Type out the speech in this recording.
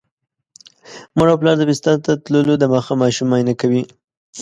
مور او پلار د بستر ته تللو دمخه ماشوم معاینه کوي.